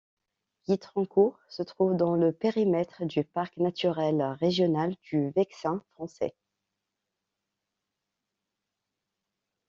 Guitrancourt se trouve dans le périmètre du Parc naturel régional du Vexin français.